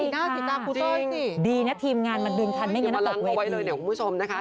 ใช่ค่ะจริงดีนะทีมงานมาดึงทันไม่งั้นตกเวทีโอ้โฮทีมลังเอาไว้เลยเนี่ยคุณผู้ชมนะคะ